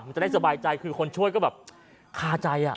มันจะได้สบายใจคือคนช่วยก็แบบคาใจ